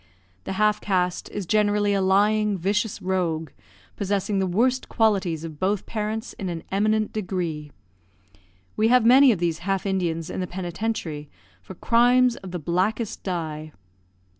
The half caste is generally a lying, vicious rogue, possessing the worst qualities of both parents in an eminent degree. We have many of these half Indians in the penitentiary, for crimes of the blackest dye.